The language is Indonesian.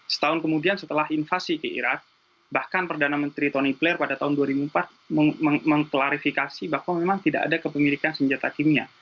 setahun kemudian setelah invasi ke irak bahkan perdana menteri tony player pada tahun dua ribu empat mengklarifikasi bahwa memang tidak ada kepemilikan senjata kimia